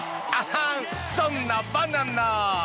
そんなバナナ！